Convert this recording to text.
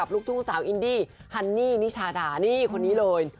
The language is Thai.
ลูกทุ่งสาวอินดี้ฮันนี่นิชาดานี่คนนี้เลย